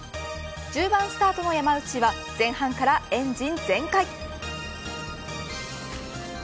１０番スタートの山内は前半からエンジン全開。